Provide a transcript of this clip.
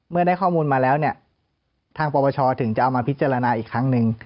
ได้ข้อมูลมาแล้วเนี่ยทางปปชถึงจะเอามาพิจารณาอีกครั้งหนึ่ง